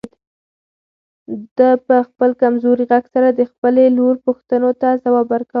ده په خپل کمزوري غږ سره د خپلې لور پوښتنو ته ځواب ورکاوه.